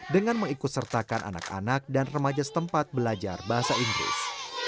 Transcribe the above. dengan mengikut sertakan anak anak dan remaja setempat belajar bahasa inggris